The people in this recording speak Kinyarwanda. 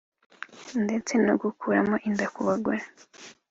ndetse no gukuramo inda ku bagore